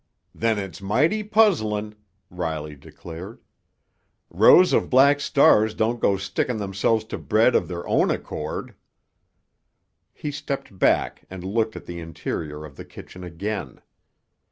"Then it's mighty puzzlin'," Riley declared. "Rows of black stars don't go stickin' themselves to bread of their own accord." He stepped back and looked at the interior of the kitchen again.